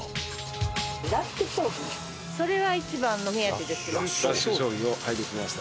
それが一番の目当てです。